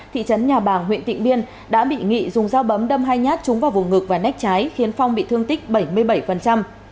thị trấn nhà bàng huyện tịnh biên đã bị nghị dùng dao bấm đâm hai nhát trúng vào vùng ngực và nách trái khiến phong bị thương tích bảy mươi bảy